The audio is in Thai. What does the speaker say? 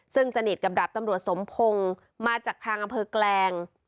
ซึ่งสนิทกับดาบตำรวจสมพงศ์มาจากทางอำเภอแกลง